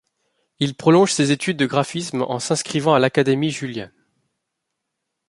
Il prolonge ses études de graphisme en s’inscrivant à l'académie Julian.